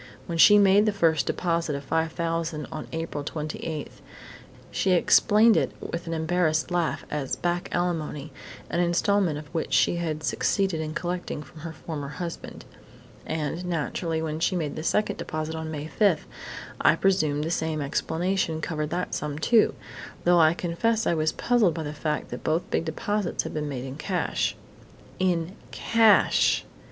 When she made the first deposit of $5,000 on April 28, she explained it with an embarrassed laugh as 'back alimony', an instalment of which she had succeeded in collecting from her former husband. And, naturally, when she made the second deposit on May 5, I presumed the same explanation covered that sum, too, though I confess I was puzzled by the fact that both big deposits had been made in cash." _In cash!